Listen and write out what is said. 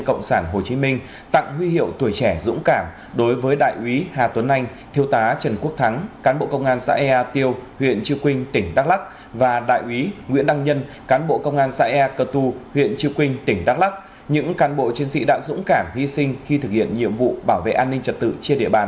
cộng sản hồ chí minh tặng huy hiệu tuổi trẻ dũng cảm đối với đại úy hà tuấn anh thiêu tá trần quốc thắng cán bộ công an xã ea tiêu huyện trư quynh tỉnh đắk lắc và đại úy nguyễn đăng nhân cán bộ công an xã e cơ tu huyện chư quynh tỉnh đắk lắc những cán bộ chiến sĩ đã dũng cảm hy sinh khi thực hiện nhiệm vụ bảo vệ an ninh trật tự trên địa bàn